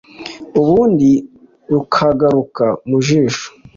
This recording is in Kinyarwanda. ubundi rukagaruka mu jisho